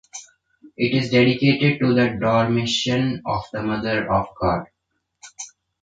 It is dedicated to the Dormition of the Mother of God.